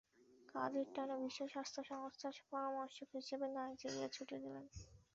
কাজের টানে বিশ্ব স্বাস্থ্য সংস্থার পরামর্শক হিসেবে নাইজেরিয়া ছুটে গেলেন তিনি।